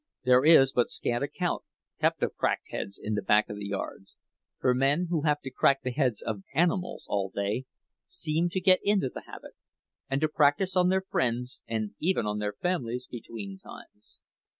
There is but scant account kept of cracked heads in back of the yards, for men who have to crack the heads of animals all day seem to get into the habit, and to practice on their friends, and even on their families, between times.